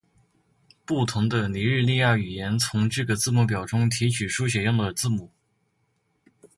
不同的尼日利亚语言从这个字母表中提取书写用的字母。